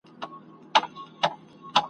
دوه خورجینه ,